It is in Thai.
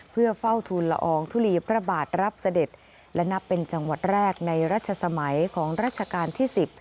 เพื่อเฝ้าทุนละอองทุลีพระบาทรับเสด็จและนับเป็นจังหวัดแรกในรัชสมัยของรัชกาลที่๑๐